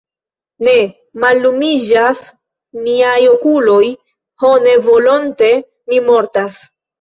Ne, mallumiĝas miaj okuloj, ho, ne volonte mi mortas.